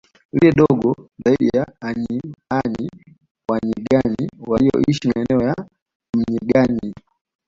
Lile dogo zaidi la AnyiÅanyi Wanyinganyi wanaoishi maeneo ya Mnyinganyi